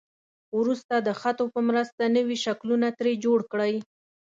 وروسته د خطو په مرسته نوي شکلونه ترې جوړ کړئ.